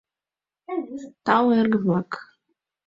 — Тау, эргым-влак!..